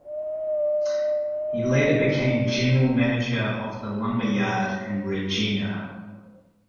He later became general manager of the lumber yard in Regina.